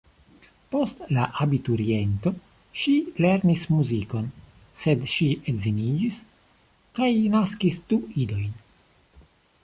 Post la abituriento ŝi lernis muzikon, sed ŝi edziniĝis kaj naskis du idojn.